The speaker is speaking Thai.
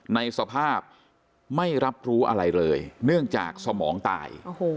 ในสภาพไม่รับรู้อะไรเลยเนื่องจากสมองตาย